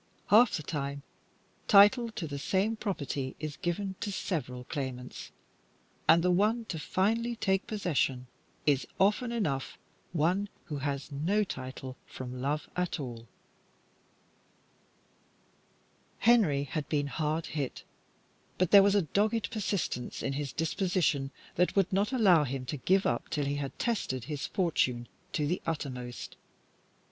Half the time, title to the same property is given to several claimants, and the one to finally take possession is often enough one who has no title from love at all. Henry had been hit hard, but there was a dogged persistence in his disposition that would not allow him to give up till he had tested his fortune to the uttermost.